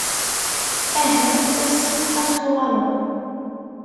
Ahat ass-n ad tuɣaleḍ.